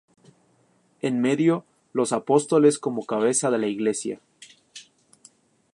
En medio, los Apóstoles como cabeza de la Iglesia.